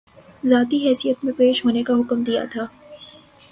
ذاتی حیثیت میں پیش ہونے کا حکم دیا تھا